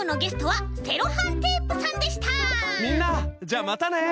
じゃあまたね！